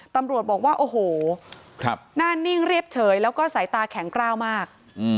ตำรวจบอกว่าโอ้โหหน้านิ่งเรียบเฉยแล้วก็สายตาแข็งกล้าวมาก